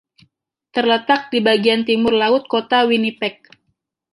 Terletak di bagian timur laut kota Winnipeg.